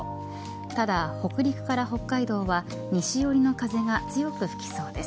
ただ北陸から北海道は西よりの風が強く吹きそうです。